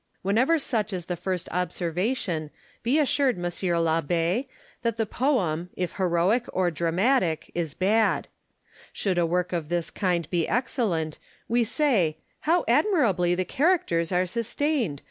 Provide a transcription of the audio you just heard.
Landor. Whenever such is the first observation, be assured, M. l'Abb6, that the poem, if heroic or dramatic, is bad. Should a work of this kind be excellent, we say, " How admirably the characters are sustained